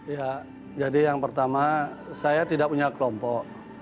ya jadi yang pertama saya tidak punya kelompok